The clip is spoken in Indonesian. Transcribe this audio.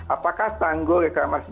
apakah tanggul reklamas